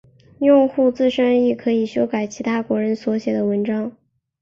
用户自身亦可以修改其他国人所写的文章。